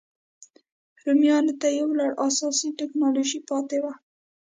رومیانو ته یو لړ اساسي ټکنالوژۍ پاتې وو.